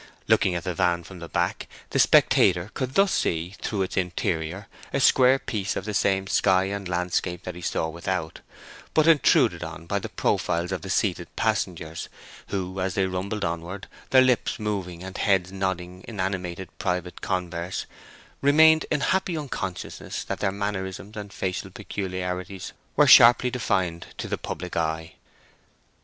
Looking at the van from the back, the spectator could thus see through its interior a square piece of the same sky and landscape that he saw without, but intruded on by the profiles of the seated passengers, who, as they rumbled onward, their lips moving and heads nodding in animated private converse, remained in happy unconsciousness that their mannerisms and facial peculiarities were sharply defined to the public eye.